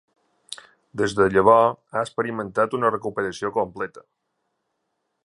Des de llavors, ha experimentat una recuperació completa.